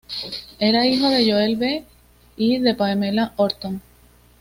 Era hijo de Joel B. y de Pamela Horton.